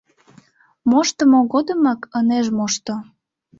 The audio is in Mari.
Моштымо годымат ынеж мошто.